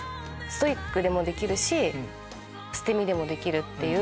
ストイックでもできるし捨て身でもできるっていう。